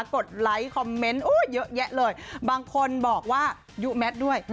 ดไลค์คอมเมนต์เยอะแยะเลยบางคนบอกว่ายุแมทด้วย